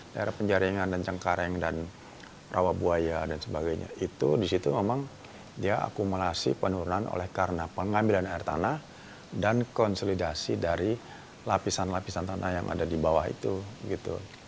daerah penjaringan dan cengkareng dan rawabuaya dan sebagainya itu disitu memang dia akumulasi penurunan oleh karena pengambilan air tanah dan konsolidasi dari lapisan lapisan tanah yang ada di bawah itu gitu